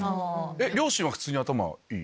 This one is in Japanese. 両親は普通に頭いい？